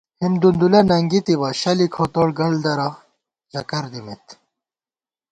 ہِم دُندُولہ ننگِتِبہ شلے کھوتوڑ گل درہ چکر دِمېت